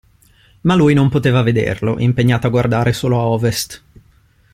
Ma lui non poteva vederlo, impegnato a guardare solo a Ovest.